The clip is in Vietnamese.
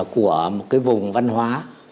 của một vùng văn hóa